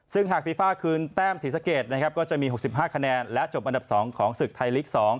ซึ่งหากฟีฟ่าคืนแต้มศรีสะเกดนะครับก็จะมี๖๕คะแนนและจบอันดับ๒ของศึกไทยลีก๒